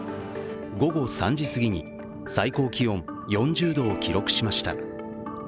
午後３時すぎに最高気温４０度を記録しました。